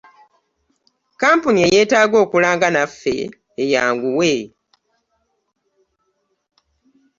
Kkampuni eyeetaaga okulanga naffe eyanguwe.